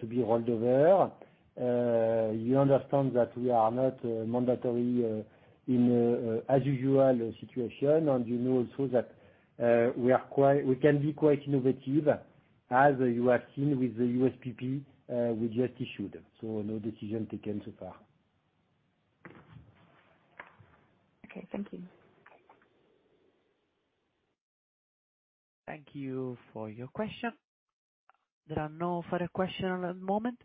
be rolled over. You understand that we are not in an unusual situation. You know also that we can be quite innovative, as you have seen with the USPP we just issued. No decision taken so far. Okay. Thank you. Thank you for your question. There are no further question at the moment.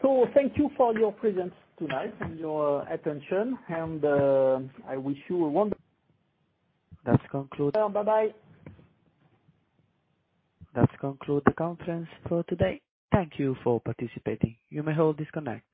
I will hand back the conference to Xavier Martiré. Please go ahead, sir. Thank you for your presence tonight and your attention, and I wish you a wonderful- That concludes. Bye-bye. That concludes the conference for today. Thank you for participating. You may all disconnect.